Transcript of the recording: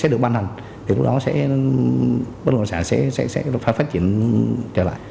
được ban hành thì lúc đó bất động sản sẽ phát triển trở lại